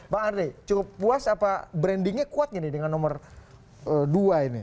bang andre cukup puas apa brandingnya kuat gak nih dengan nomor dua ini